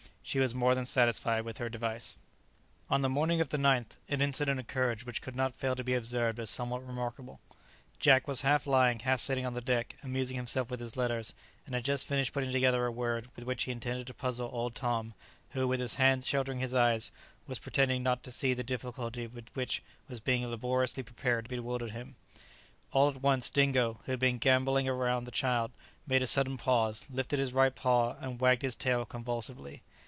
She was more than satisfied with her device. On the morning of the 9th an incident occurred which could not fail to be observed as somewhat remarkable. Jack was half lying, half sitting on the deck, amusing himself with his letters, and had just finished putting together a word with which he intended to puzzle old Tom, who, with his hand sheltering his eyes, was pretending not to see the difficulty which was being labouriously prepared to bewilder him; all at once, Dingo, who had been gambolling round the child, made a sudden pause, lifted his right paw, and wagged his tail convulsively.